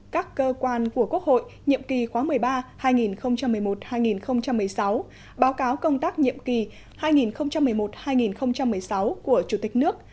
các cơ quan của quốc hội nhiệm kỳ khóa một mươi ba hai nghìn một mươi một hai nghìn một mươi sáu báo cáo công tác nhiệm kỳ hai nghìn một mươi một hai nghìn một mươi sáu của chủ tịch nước